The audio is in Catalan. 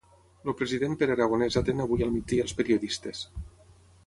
El president Pere Aragonès atén avui al migdia els periodistes